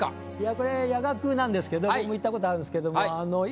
これ夜学なんですけど僕も行ったことあるんですけど。